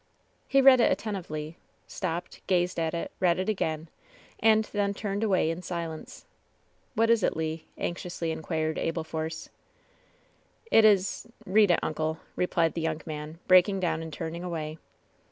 He read it attentively, stopped, gazed at it, read it again, and then turned away in silence. ^*What is it, Le?" anxiously inquired Abel Force. 280 LOVE'S BITTEREST CUP "It is — ^read it, uncle/' replied the young man, break ing down and turning away.